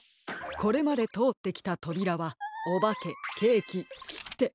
これまでとおってきたとびらはおばけケーキきって。